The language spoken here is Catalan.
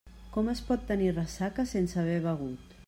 Com es pot tenir ressaca sense haver begut?